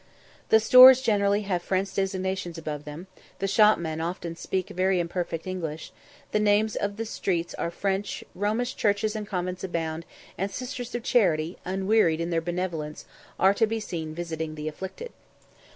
The stores generally have French designations above them, the shop men often speak very imperfect English; the names of the streets are French; Romish churches and convents abound, and Sisters of Charity, unwearied in their benevolence, are to be seen visiting the afflicted.